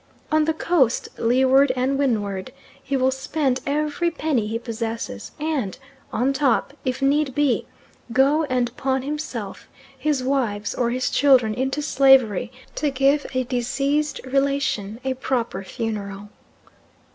On the Coast, Leeward and Windward, he will spend every penny he possesses and, on top, if need be, go and pawn himself, his wives, or his children into slavery to give a deceased relation a proper funeral.